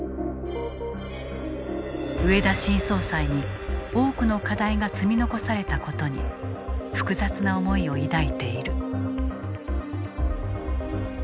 植田新総裁に多くの課題が積み残されたことに複雑な思いを抱いている。